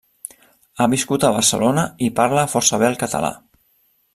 Ha viscut a Barcelona i parla força bé el català.